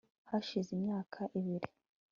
hashize imyaka ibiri